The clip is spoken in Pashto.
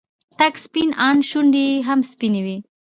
تک سپين ان شونډې يې هم سپينې وې.